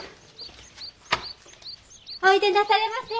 おいでなされませ。